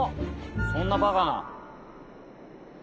そんなバカな。